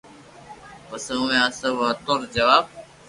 پسو اووي آ سب واتون رو جواب